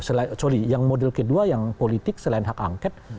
sorry yang model kedua yang politik selain hak angket